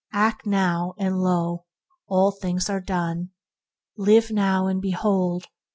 Act now, and, lo! all things are done; live now, and, behold!